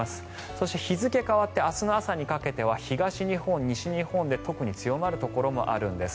そして、日付変わって明日の朝にかけては東日本、西日本で特に強まるところもあるんです。